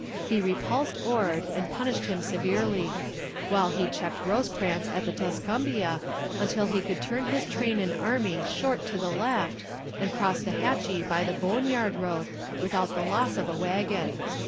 He repulsed Ord, and punished him severely; while he checked Rosecrans at the Tuscumbia, until he could turn his train and army short to the left, and cross the Hatchie by the Boneyard road, without the loss of a wagon."